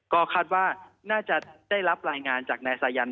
ก็คาดว่าน่าจะได้รับรายงานจากนายสายัน